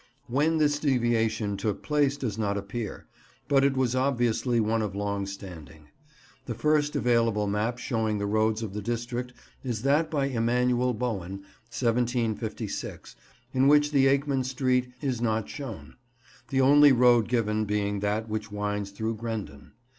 When this deviation took place does not appear; but it was obviously one of long standing. The first available map showing the roads of the district is that by Emanuel Bowen, 1756, in which the Akeman Street is not shown; the only road given being that which winds through Grendon.